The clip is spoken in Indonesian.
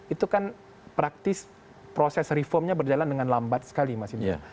itu kan praktis proses reformnya berjalan dengan lambat sekali mas indra